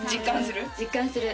実感する。